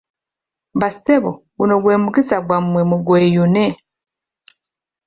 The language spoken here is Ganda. Bassebo, guno gwe mukisa gwammwe mugweyune!